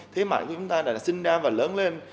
thế mạnh của chúng ta là sinh ra và lớn lên